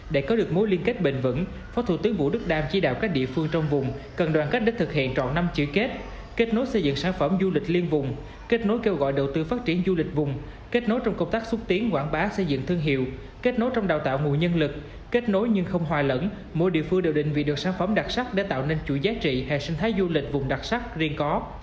để có được mối liên kết bền vững phó thủ tướng vũ đức đam chỉ đạo các địa phương trong vùng cần đoàn cách để thực hiện trọn năm chữ kết kết nối xây dựng sản phẩm du lịch liên vùng kết nối kêu gọi đầu tư phát triển du lịch vùng kết nối trong công tác xúc tiến quảng bá xây dựng thương hiệu kết nối trong đào tạo mùi nhân lực kết nối nhưng không hoài lẫn mỗi địa phương đều định vị được sản phẩm đặc sắc để tạo nên chuỗi giá trị hay sinh thái du lịch vùng đặc sắc riêng có